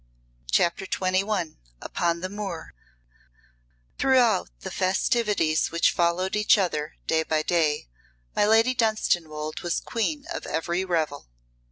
CHAPTER XXI Upon the Moor Throughout the festivities which followed each other, day by day, my Lady Dunstanwolde was queen of every revel.